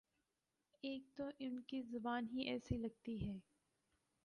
ایک تو ان کی زبان ہی ایسی لگتی ہے۔